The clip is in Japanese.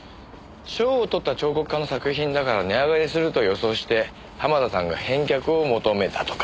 賞を取った彫刻家の作品だから値上がりすると予想して濱田さんが返却を求めたとか。